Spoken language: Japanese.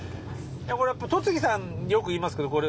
イヤコレやっぱ戸次さんよく言いますけどコレ。